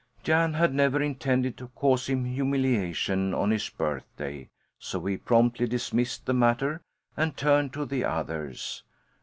Jan had never intended to cause him humiliation on his birthday, so he promptly dismissed the matter and turned to the others.